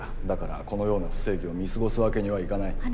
だからこのような不正義を見過ごすわけにはいかない。